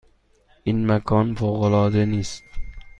این مکان فوق العاده نیست؟